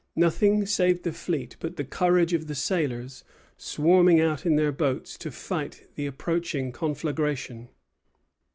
Nothing saved the fleet but the courage of the sailors, swarming out in their boats to fight the approaching conflagration.